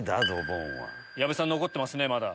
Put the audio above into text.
矢部さん残ってますねまだ。